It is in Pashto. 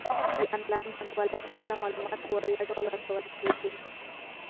د انلاین بانکوالۍ په اړه معلومات په وړیا ډول ورکول کیږي.